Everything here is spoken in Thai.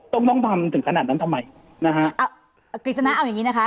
ต้องพรรมถึงขนาดนั้นทำไมนะฮะอ่ากิจนะเอาอย่างงี้นะคะ